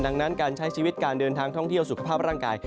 ดังนั้นการใช้ชีวิตการเดินทางท่องเที่ยวสุขภาพร่างกาย